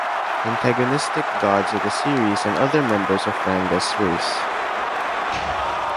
Antagonistic gods of the series and other members of Ranga's race.